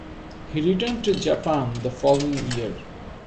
He returned to Japan the following year.